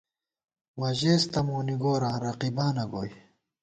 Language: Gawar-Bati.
مہ ژېس تہ مونی گوراں ، رقیبانہ گوئی